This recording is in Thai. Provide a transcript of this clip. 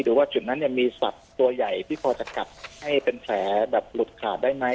ว่าจุดนั้นมีสัตว์ตัวใหญ่ที่พอจะกัดให้เป็นแผลแบบหลุดขาดได้ไหม